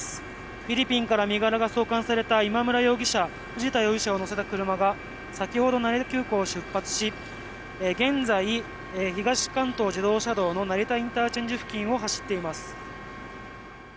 フィリピンから身柄が送還された今村容疑者藤田容疑者を乗せた車が先ほど成田空港を出発し現在、東関東自動車道の成田ＩＣ付近を走っています。